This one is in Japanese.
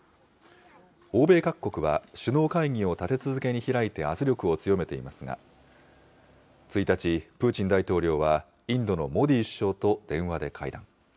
欧米各国は首脳会議を立て続けに開いて圧力を強めていますが、１日、プーチン大統領はインドのモディ首相と電話で会談。